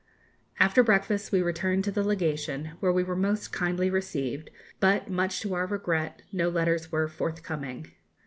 After breakfast we returned to the Legation, where we were most kindly received, but, much to our regret, no letters were forthcoming.